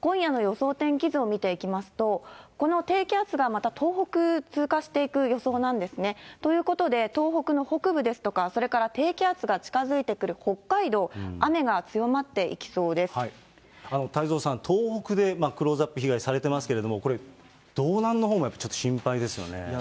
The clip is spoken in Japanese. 今夜の予想天気図を見ていきますと、この低気圧がまた東北通過していく予想なんですね。ということで、東北の北部ですとか、それから低気圧が近づいてくる北海道、太蔵さん、東北でクローズアップ、被害、されてますけれども、これ、道南のほうもちょっと心配ですよね。